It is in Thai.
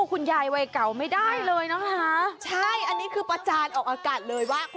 คุณยายเมจิใช่แล้วค่ะ